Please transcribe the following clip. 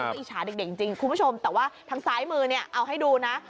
ก็อิจฉาเด็กจริงคุณผู้ชมแต่ว่าทางซ้ายมือเนี่ยเอาให้ดูนะ